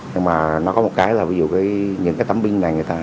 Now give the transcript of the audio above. nhưng mà nó có một cái là ví dụ với những cái tấm pin này người ta